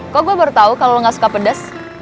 kok gue baru tau kalau gak suka pedas